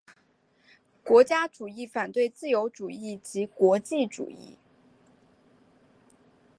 国家主义反对自由主义及国际主义。